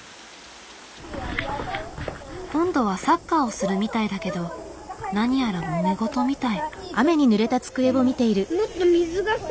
今度はサッカーをするみたいだけど何やらもめごとみたい。